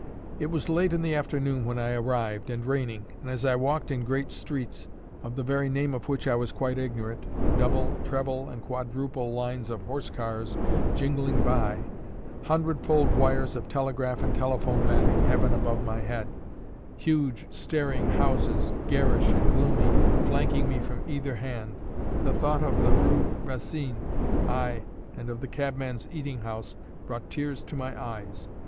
It was late in the afternoon when I arrived, and raining; and as I walked in great streets, of the very name of which I was quite ignorant double, treble, and quadruple lines of horse cars jingling by hundred fold wires of telegraph and telephone matting heaven above my head huge, staring houses, garish and gloomy, flanking me from either hand the thought of the Rue Racine, ay, and of the cabman's eating house, brought tears to my eyes.